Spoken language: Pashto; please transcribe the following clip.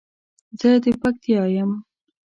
زه د پکتیا یم